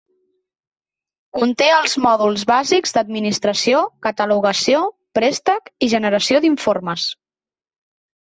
Conté els mòduls bàsics d'administració, catalogació, préstec i generació d'informes.